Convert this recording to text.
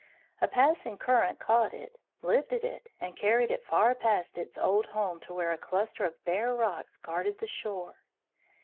A passing current caught it, lifted it, and carried it far past its old home to where a cluster of bare rocks guarded the shore.